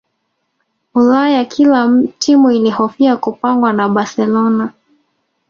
ulaya kila timu ilihofia kupangwa na barcelona